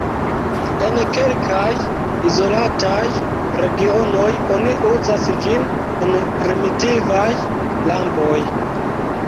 En kelkaj izolataj regionoj, oni uzas ĝin en primitivaj lampoj.